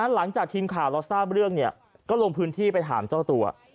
หลังจากทีมข่าวเราทราบเรื่องก็ลงพื้นที่ไปถามเจ้าตัว